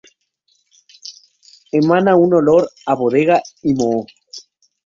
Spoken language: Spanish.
Emana un olor a bodega y moho.